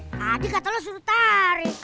tadi kata lo suruh tarik